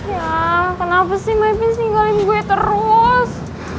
ya kenapa sih my prince tinggalin gue terus